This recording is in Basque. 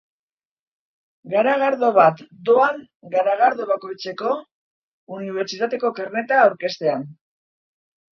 Garagardo bat doan, garagardo bakoitzeko, unibertsitateko karneta aurkeztean.